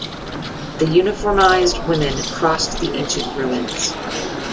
The uniformized women crossed the ancient ruins.